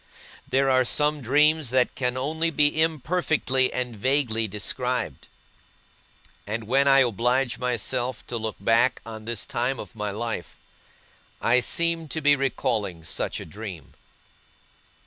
There are some dreams that can only be imperfectly and vaguely described; and when I oblige myself to look back on this time of my life, I seem to be recalling such a dream.